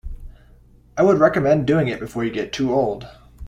I would recommend doing it before you get too old.